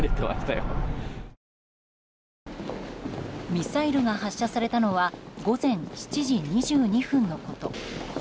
ミサイルが発射されたのは午前７時２２分のこと。